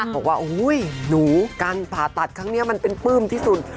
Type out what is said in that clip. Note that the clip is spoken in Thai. บอกว่าโอ้โหหนูการผ่าตัดครั้งนี้มันเป็นปลื้มที่สุด